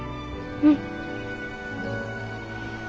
うん。